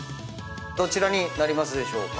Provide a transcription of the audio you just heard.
どちらになりますでしょうか？